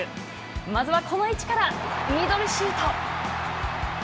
まずはこの位置からミドルシュート。